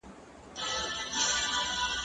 کېدای سي باغ ګنده وي